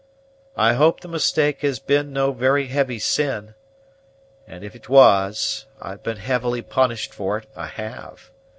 I hope the mistake has been no very heavy sin; and if it was, I've been heavily punished for it, I have.